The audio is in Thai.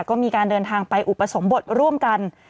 ก็มีการเดินทางไปอุปสมบทร่วมกัน